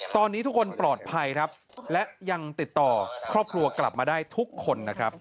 ตอนนี้ทุกคนปลอดภัยครับและยังติดต่อครอบครัวกลับมาได้ทุกคนนะครับ